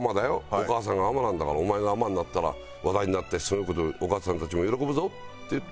お母さんが海女なんだからお前が海女になったら話題になってお母さんたちも喜ぶぞ」って言って。